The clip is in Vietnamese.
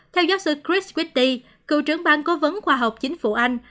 theo giáo sư chris witti cựu trưởng bang cố vấn khoa học chính phủ anh